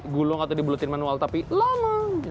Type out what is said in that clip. gulung atau di buletin manual tapi lama